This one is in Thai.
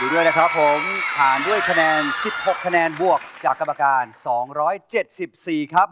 ผ่านด้วยนะครับผมผ่านด้วยคะแนนสิบหกคะแนนบวกจากกรรมการสองร้อยเจ็ดสิบสี่ครับ